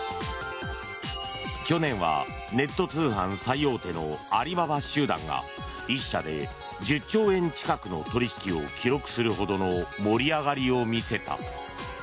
去年はネット通販最大手のアリババ集団が１社で１０兆円近くの取引を記録するほどの盛り上がりを見せた。